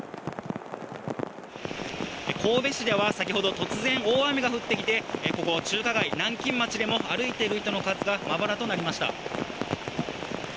神戸市では先ほど、突然、大雨が降ってきて、ここ中華街南京町でも歩いている人の数がまばらとなりました。